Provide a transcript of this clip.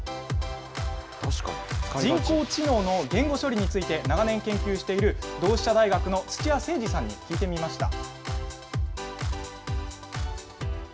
人工知能の言語処理について、長年研究している、同志社大学の土屋誠司さんに聞いてみました。